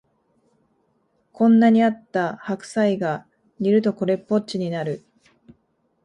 こんなにあった白菜が煮るとこれっぽっちになる